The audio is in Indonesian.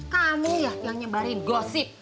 kamu yang nyebarin gosip